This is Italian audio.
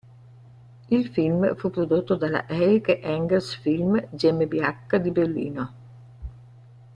Il film fu prodotto dalla Erich Engels-Film GmbH di Berlino.